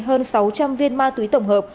hơn sáu trăm linh viên ma túy tổng hợp